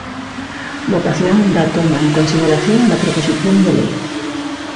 Votación da toma en consideración da Proposición de lei.